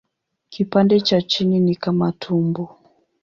Kipande cha chini ni kama tumbo.